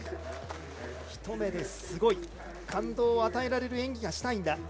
一目ですごい感動を与えられる演技がしたいんだ。